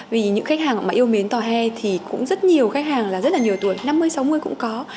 vì những khách hàng mà yêu mến tàu he thì cũng rất nhiều khách hàng là rất là nhiều tuổi năm mươi sáu mươi cũng có